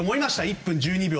１分１２秒。